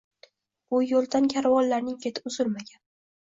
Bu yo‘ldan karvonlarning keti uzilmagan.